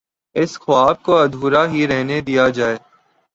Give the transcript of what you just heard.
اس خواب کو ادھورا ہی رہنے دیا جائے۔